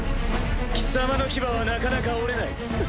貴様の牙はなかなか折れない。